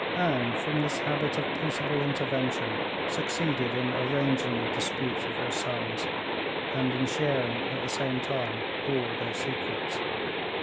Anne, from this habit of peaceable intervention, succeeded in arranging the disputes of her sons, and in sharing, at the same time, all their secrets.